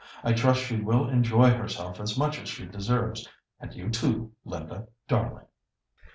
I trust she will enjoy herself as much as she deserves; and you too, Linda, darling."